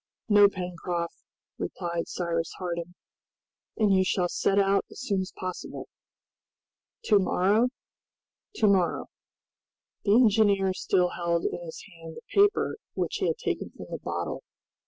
"No, Pencroft," replied Cyrus Harding; "and you shall set out as soon as possible." "To morrow?" "To morrow!" The engineer still held in his hand the paper which he had taken from the bottle.